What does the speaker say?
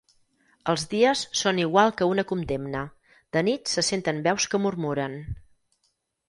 Els dies són igual que una condemna; de nit se senten veus que murmuren.